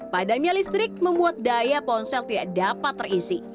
padamnya listrik membuat daya ponsel tidak dapat terisi